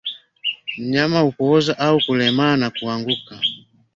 Mnyama hupooza au kulemaa na kuanguka